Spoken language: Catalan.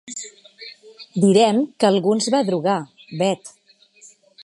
Direm que algú ens va drogar, Bet.